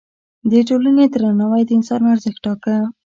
د ټولنې درناوی د انسان ارزښت ټاکه.